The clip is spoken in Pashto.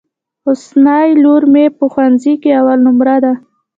حسنی لور مي په ښوونځي کي اول نمبر ده.